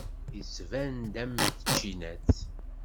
Yettban-d am tčinat.